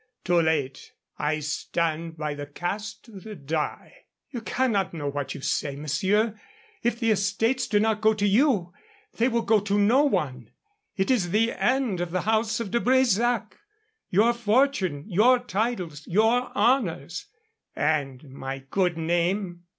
"Too late. I stand by the cast of the die." "You cannot know what you say, monsieur. If the estates do not go to you, they will go to no one. It is the end of the house of De Bresac. Your fortune, your titles, your honors " "And my good name?"